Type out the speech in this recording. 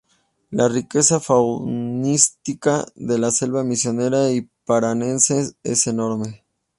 La riqueza faunística de la selva misionera o paranaense es enorme.